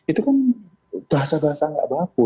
itu kan bahasa bahasa nggak baku